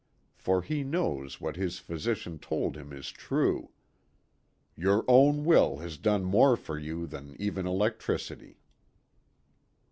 For he knows that what his physician told him is true :" Your own will has done more for you than even electricity."